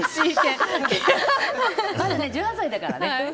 まだ１８歳だからね。